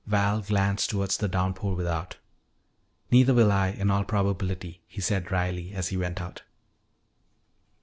Val glanced toward the downpour without. "Neither will I, in all probability," he said dryly as he went out.